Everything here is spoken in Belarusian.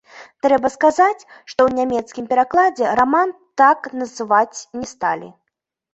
Трэба сказаць, што ў нямецкім перакладзе раман так называць не сталі.